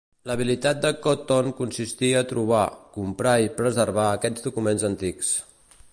L'habilitat de Cotton consistia a trobar, comprar i preservar aquests documents antics.